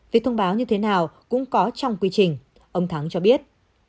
về thông báo như thế nào cũng có trong quy trình ông thắng cho biết